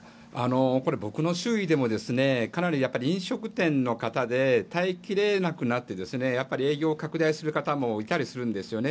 僕の周囲でもかなり飲食店の方で耐え切れなくなって営業を拡大する方もいたりするんですよね。